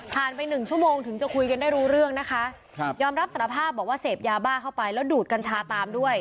ไปหนึ่งชั่วโมงถึงจะคุยกันได้รู้เรื่องนะคะครับยอมรับสารภาพบอกว่าเสพยาบ้าเข้าไปแล้วดูดกัญชาตามด้วย